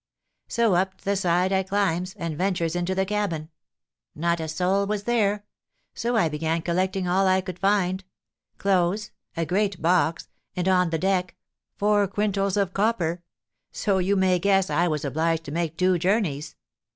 So up the side I climbs, and ventures into the cabin. Not a soul was there; so I began collecting all I could find: clothes, a great box, and, on the deck, four quintals of copper. So, you may guess, I was obliged to make two journeys.